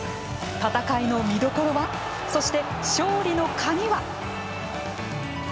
戦いの見どころはそして、勝利の鍵は。